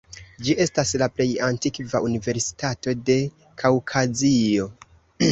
Ĝi estas la plej antikva universitato de Kaŭkazio.